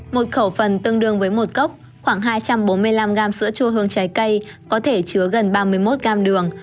một khẩu phần tương đương với một cốc khoảng hai trăm bốn mươi năm gam sữa chua hương trái cây có thể chứa gần ba mươi một gam đường